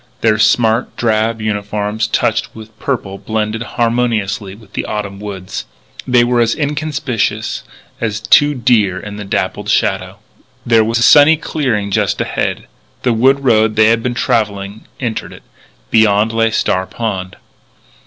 Their smart drab uniforms touched with purple blended harmoniously with the autumn woods. They were as inconspicuous as two deer in the dappled shadow. There was a sunny clearing just ahead. The wood road they had been travelling entered it. Beyond lay Star Pond.